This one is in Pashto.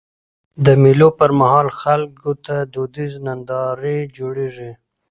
د مېلو پر مهال خلکو ته دودیزي نندارې جوړيږي.